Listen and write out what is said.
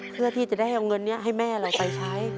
เพื่อที่จะได้เอาเงินนี้ให้แม่เราไปใช้